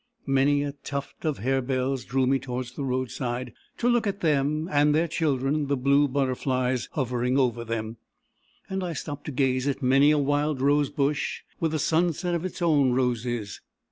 Many a tuft of harebells drew me towards the roadside, to look at them and their children, the blue butterflies, hovering over them; and I stopped to gaze at many a wild rosebush, with a sunset of its own roses.